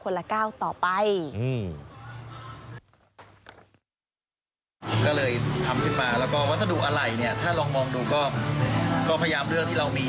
ก็เลยทำขึ้นมาแล้วก็วัสดุอะไหล่เนี่ยถ้าลองมองดูก็พยายามเลือกที่เรามี